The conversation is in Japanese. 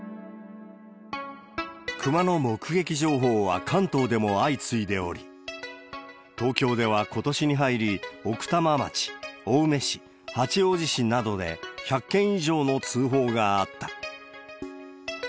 クマの目撃情報は関東でも相次いでおり、東京ではことしに入り、奥多摩町、青梅市、八王子市などで１００件以上の通報があった。